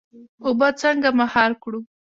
اوبه څنګه مهار کړو؟